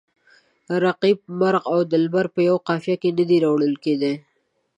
رقیب، مرغ او دلبر په یوه قافیه کې نه شي راوړل کیدلای.